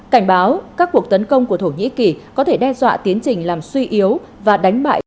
cảnh báo các cuộc tấn công của thổ nhĩ kỳ có thể đe dọa tiến trình làm suy yếu và đánh bại